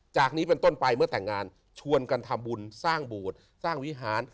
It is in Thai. จากนี้เป็นต้นไปเมื่อแต่งงานชวนกันทำบุญสร้างโบสถ์สร้างวิหาร